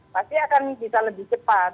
pasti akan bisa lebih cepat